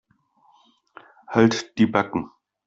Halt die Backen.